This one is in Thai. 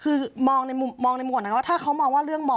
คือมองในหมวดนั้นว่าถ้าเขามองว่าเรื่อง